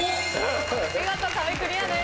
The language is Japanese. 見事壁クリアです。